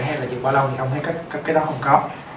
hay là dừng quá lâu thì ông thấy cái đó không có